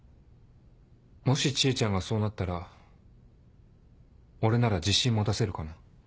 もし知恵ちゃんがそうなったら俺なら自信持たせるかな。